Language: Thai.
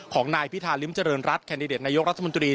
ของนายพิธาริมเจริญรัฐแคนดิเดตนายกรัฐมนตรี